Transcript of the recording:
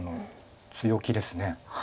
強気です。